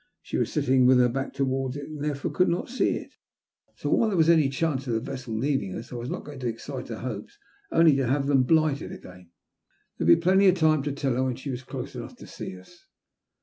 She was sitting with her back towards it, and therefore could not see it. So, while there was any chance of the vessel leaving us, I was not going to excite her hopes, only to have them blighted again. There would be plenty of time to tell her when she was close enough to see us.